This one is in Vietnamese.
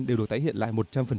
đều được tái hiện lại một trăm linh